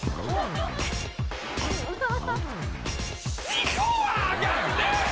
四股は上がるね！